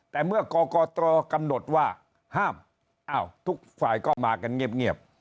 แต่เมื่อก่อก่อตรอกำหนดว่าห้ามทุกฝ่ายก็มากันเงียบ